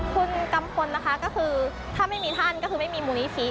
คุณกัมพลนะคะก็คือถ้าไม่มีท่านก็คือไม่มีมูลนิธิ